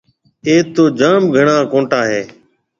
ايٿ تو جوم گھڻا ڪونٽا هيَ۔